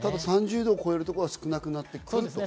３０度を超えるところは少なくなってきそうですね。